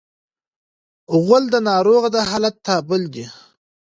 غول د ناروغ د حالت تابل دی.